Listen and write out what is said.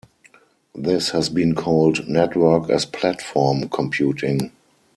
This has been called "network as platform" computing.